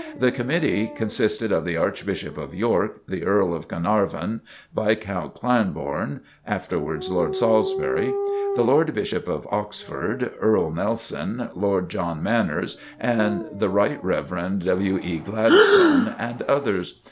The committee consisted of the Archbishop of York, the Earl of Carnarvon, Viscount Cranbourne, (afterwards Lord Salisbury,) the Lord Bishop of Oxford, Earl Nelson, Lord John Manners, the Rt. Hon. W. E. Gladstone and others.